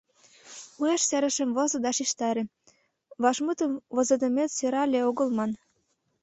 Уэш серышым возо да шижтаре: вашмутым возыдымет сӧрале огыл, ман.